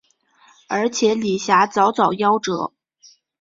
而且李遐早早夭折。